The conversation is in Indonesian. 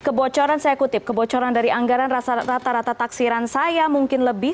kebocoran saya kutip kebocoran dari anggaran rata rata taksiran saya mungkin lebih